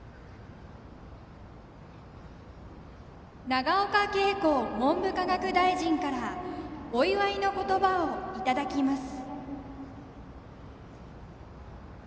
永岡桂子文部科学大臣からお祝いの言葉をいただきます。